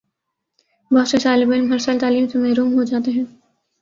بہت سے طالب علم ہر سال تعلیم سے محروم ہو جاتے ہیں